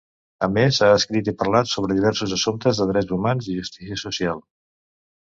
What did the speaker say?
A més, ha escrit i parlat sobre diversos assumptes de drets humans i justícia social.